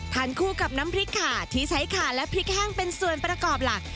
คู่กับน้ำพริกขาที่ใช้ขาและพริกแห้งเป็นส่วนประกอบหลัก